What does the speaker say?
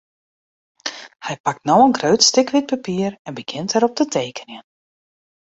Hy pakt no in grut stik wyt papier en begjint dêrop te tekenjen.